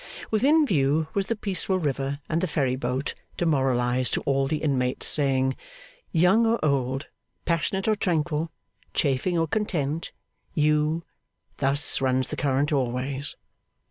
Within view was the peaceful river and the ferry boat, to moralise to all the inmates saying: Young or old, passionate or tranquil, chafing or content, you, thus runs the current always.